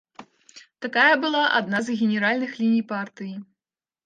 Такая была адна з генеральных ліній партыі.